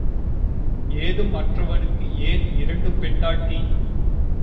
ஏதும் அற்றவனுக்கு ஏன் இரண்டு பெண்டாட்டி?